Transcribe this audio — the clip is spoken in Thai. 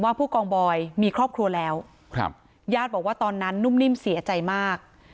ผู้กองบอยมีครอบครัวแล้วครับญาติบอกว่าตอนนั้นนุ่มนิ่มเสียใจมาก